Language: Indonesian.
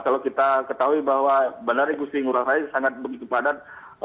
kalau kita ketahui bahwa bandara igusti ngurah rai sangat begitu padat